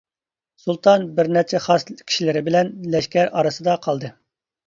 سۇلتان بىر نەچچە خاس كىشىلىرى بىلەن لەشكەر ئارىسىدا قالدى.